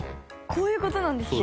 こういう事なんですね！